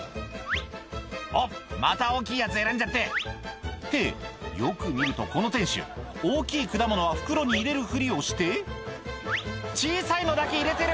「おっまた大きいやつ選んじゃって」ってよく見るとこの店主大きい果物は袋に入れるふりをして小さいのだけ入れてる！